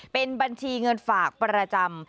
เป็นบัญชีเงินฝากประจำ